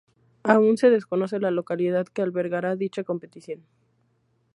Aún se desconoce la localidad que albergará dicha competición.